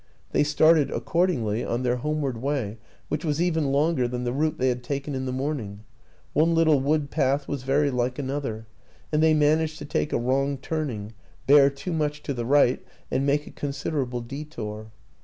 They started, accordingly, on their homeward way, which was even longer than the route they had taken in the morning: one little wood path was very like another and they managed to take a wrong turning, bear too much to the right and make a considerable detour.